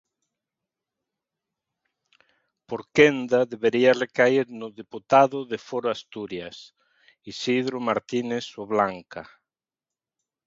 Por quenda debería recaer no deputado de Foro Asturias, Isidro Martínez Oblanca.